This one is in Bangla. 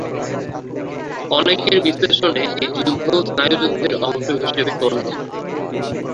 অনেকের বিশ্লেষণে এই যুদ্ধ স্নায়ুযুদ্ধের অংশ হিসেবে গণ্য।